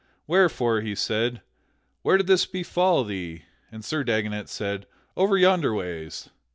Wherefore he said, "Where did this befall thee?" And Sir Dagonet said, "Over yonder ways."